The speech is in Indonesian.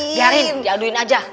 biarin diaduin aja